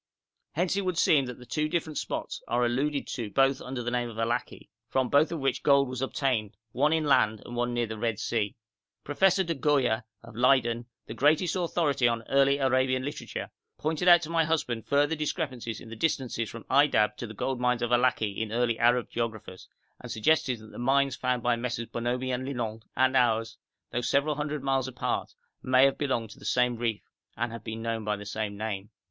Hence it would seem that two different spots are alluded to both under the name of Allaki, from both of which gold was obtained, one inland and one near the Red Sea. Professor de Goeje, of Leyden, the greatest authority on early Arabian literature, pointed out to my husband further discrepancies in the distances from Aydab to the gold mines of Allaki in early Arab geographers, and suggests that the mines found by MM. Bonomi and Linant and ours, though several hundred miles apart, may have belonged to the same reef, and have been known by the same name.